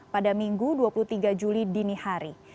pada minggu dua puluh tiga juli di nihantara